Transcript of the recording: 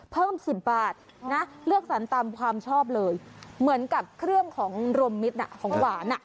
เพิ่ม๑๐บาทนะเลือกสรรตามความชอบเลยเหมือนกับเครื่องของรวมมิตรของหวานอ่ะ